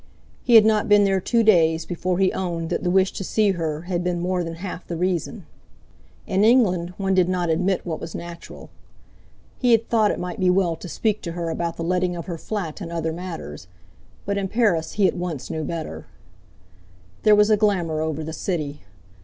He had not been there two days before he owned that the wish to see her had been more than half the reason. In England one did not admit what was natural. He had thought it might be well to speak to her about the letting of her flat and other matters, but in Paris he at once knew better. There was a glamour over the city.